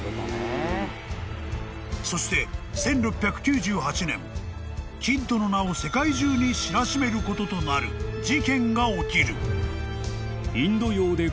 ［そして１６９８年キッドの名を世界中に知らしめることとなる事件が起きる］